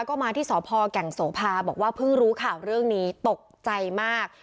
ก็มาที่สพแก่งโสภาบอกว่าเพิ่งรู้ข่าวเรื่องนี้ตกใจมาก